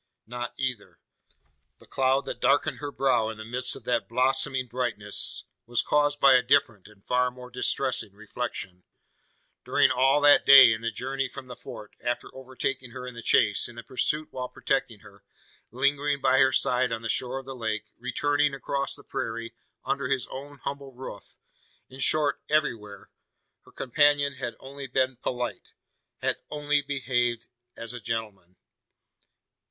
Not either. The cloud that darkened her brow in the midst of that blossoming brightness, was caused by a different, and far more distressing, reflection. During all that day, in the journey from the fort, after overtaking her in the chase, in the pursuit while protecting her, lingering by her side on the shore of the lake, returning across the prairie, under his own humble roof in short everywhere her companion had only been polite had only behaved as a gentleman!